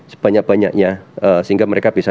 sebanyak banyaknya sehingga mereka bisa